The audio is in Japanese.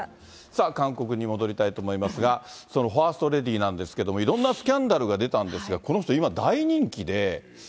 さあ、韓国に戻りたいと思いますが、そのファーストレディーなんですけれども、いろんなスキャンダルが出たんですが、この人、今大人気で。